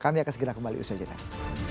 kami akan segera kembali usaha jeda